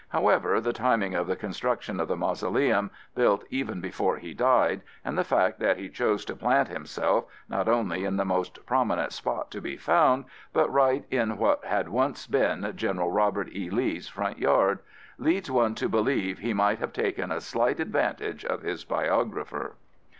However, the timing of the construction of the mausoleum, built even before he died, and the fact that he chose to plant himself, not only in the most prominent spot to be found, but right in what had once been General Robert E. Lee's front yard, leads one to believe he might have taken a slight advantage of his biographer.)